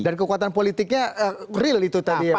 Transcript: dan kekuatan politiknya real itu tadi ya mas